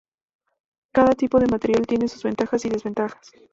Cada tipo de material tiene sus ventajas y desventajas.